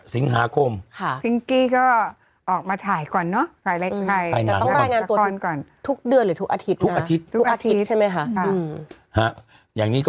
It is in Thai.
สองสัยไทยสดกว่าไทยไหม่กว่าเดิม